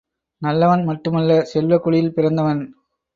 நல்லவன் மட்டுமல்ல, செல்வக் குடியில் பிறந்தவன்.